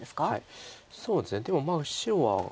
そうですねでも白は。